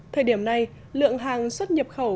thời điểm này lượng hàng xuất nhập khẩu